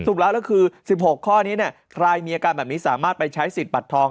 ถูกแล้วล่ะคือ๑๖ข้อนี้ทายมีอาการแบบนี้สามารถไปใช้ศิษย์บัตรทอง